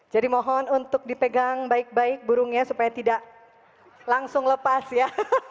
jadi mohon untuk dipegang baik baik burungnya supaya tidak langsung lepas ya